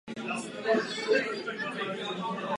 Jde o jednu z největších mešit v Evropě.